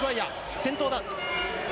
先頭だ。